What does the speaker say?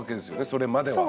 それまでは。